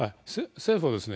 政府はですね